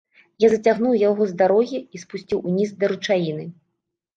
Я зацягнуў яго з дарогі і спусціў уніз да ручаіны.